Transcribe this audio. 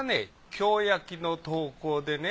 京焼の陶工でね